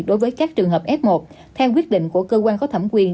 đối với các trường hợp f một theo quyết định của cơ quan có thẩm quyền